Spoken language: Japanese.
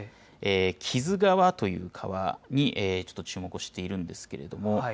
木津川という川にちょっと注目をしているんですけれども。